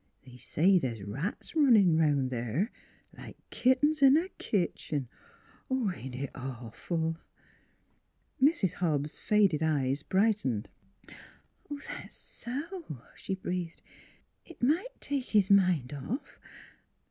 . They say NEIGHBORS 177 the's rats runnin' 'round there, like kittens in a kitchen; ain't it awful! " Mrs. Hobbs' faded eyes brightened. " That's so !" she breathed. " It might take his mind off.